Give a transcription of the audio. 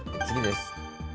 次です。